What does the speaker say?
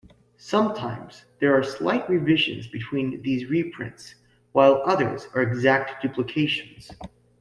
Sometimes there are slight revisions between these reprints, while others are exact duplications.